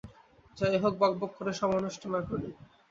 যাই হোক বকবক করে সময় নষ্ট না করি।